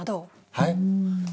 はい？